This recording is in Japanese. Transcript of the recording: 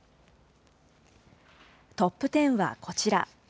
トップ１０はこちら。